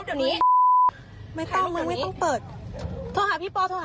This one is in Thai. ก็ไม่เอาค่ะไม่เอาค่ะขอโทษค่ะขอโทษค่ะ